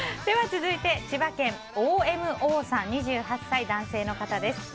では、続いて千葉県の２８歳、男性の方。